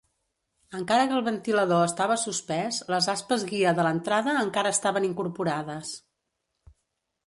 Encara que el ventilador estava suspès, les aspes guia de l'entrada encara estaven incorporades.